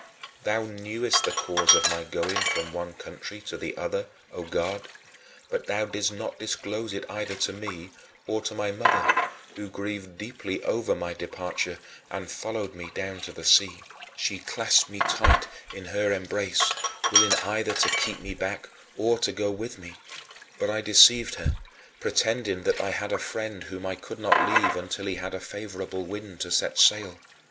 Thou knewest the cause of my going from one country to the other, O God, but thou didst not disclose it either to me or to my mother, who grieved deeply over my departure and followed me down to the sea. She clasped me tight in her embrace, willing either to keep me back or to go with me, but I deceived her, pretending that I had a friend whom I could not leave until he had a favorable wind to set sail.